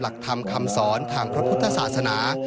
หลักธรรมคำสอนทางพระพุทธศาสนา